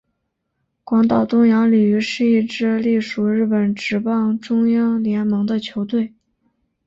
广岛东洋鲤鱼是一支隶属日本职棒中央联盟的球队。